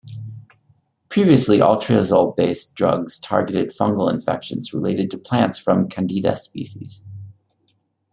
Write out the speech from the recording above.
Previously, all triazole based drugs targeted fungal infections related to plants from "Candida" species.